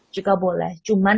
juga boleh cuman